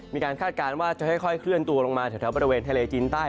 คาดการณ์ว่าจะค่อยเคลื่อนตัวลงมาแถวบริเวณทะเลจีนใต้